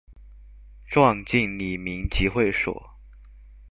莊敬里民集會所